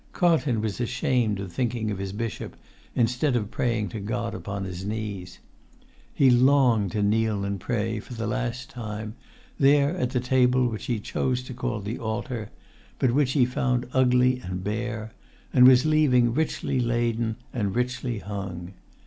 Carlton was ashamed of thinking of his bishop instead of praying to God upon his knees. He longed to kneel and pray, for the last time, there at the table[Pg 50] which he chose to call the altar, but which he had found ugly and bare, and was leaving richly laden and richly hung.